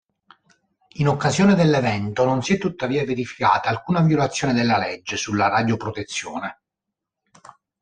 In occasione dell'evento non si è tuttavia verificata alcuna violazione della legge sulla radioprotezione.